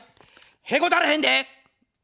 へこたれへんで。